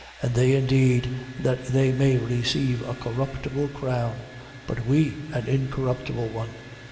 And they indeed that they may receive a corruptible crown: but we an incorruptible one.